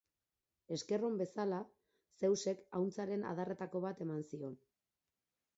Esker on bezala, Zeusek ahuntzaren adarretako bat eman zion.